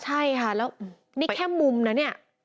ใช่ค่ะแล้วนี่แค่มุมนะเนี่ย